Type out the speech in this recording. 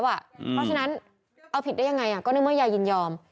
เพราะฉะนั้นเอาผิดได้ยังไงก็ในเมื่อยายยินยอม